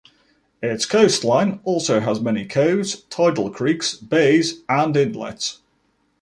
Its coastline also has many coves, tidal creeks, bays and inlets.